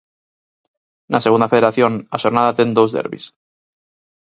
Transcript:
Na Segunda Federación, a xornada ten dous derbis.